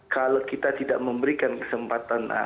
kalau kita tidak memberikan kesempatan